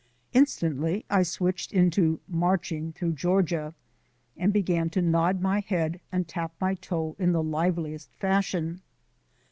Instantly I switched into "Marching Through Georgia," and began to nod my head and tap my toe in the liveliest fashion.